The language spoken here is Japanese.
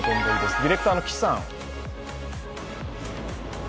ディレクターの岸さん。